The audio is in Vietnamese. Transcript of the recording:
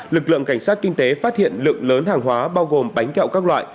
lực lượng cảnh sát kinh tế phát hiện lượng lớn hàng hóa bao gồm bánh kẹo các loại